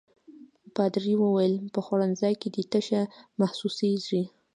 پادري وویل: په خوړنځای کې دي تشه محسوسيږي.